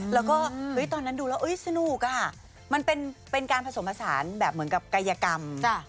แล้วก็ตอนนั้นดูแล้วสนุกมันเป็นการผสมผสานแบบเหมือนกับกายกรรม